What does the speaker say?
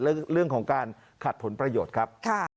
เรื่องของการขัดผลประโยชน์ครับ